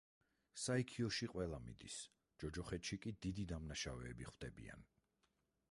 საიქიოში ყველა მიდის, ჯოჯოხეთში კი დიდი დამნაშავეები ხვდებიან.